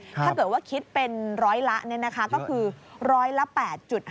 ถ้าเกิดว่าคิดเป็นร้อยละก็คือร้อยละ๘๕